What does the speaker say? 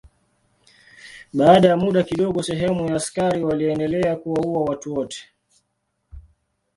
Baada ya muda kidogo sehemu ya askari waliendelea kuwaua watu wote.